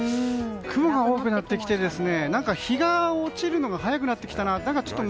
雲が多くなってきて日が落ちるのが早くなってきたなと。